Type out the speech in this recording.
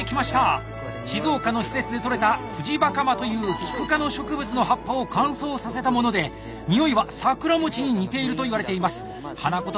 静岡の施設でとれたフジバカマというキク科の植物の葉っぱを乾燥させたもので匂いは桜餅に似ているといわれています。